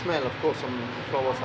mungkin ada beberapa bau juga